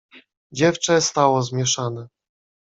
"Dziewczę stało zmieszane."